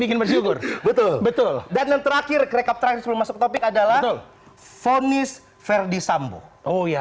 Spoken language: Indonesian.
bikin bersyukur betul betul dan terakhir brengan transmas obyek adalah office ferdi sambo oh ya